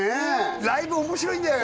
ライブ面白いんだよね